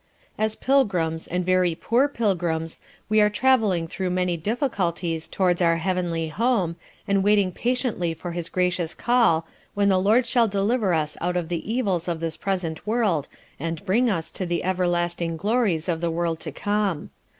As Pilgrims, and very poor Pilgrims, we are travelling through many difficulties towards our Heavenly Home, and waiting patiently for his gracious call, when the Lord shall deliver us out of the evils of this present world and bring us to the Everlasting Glories of the world to come.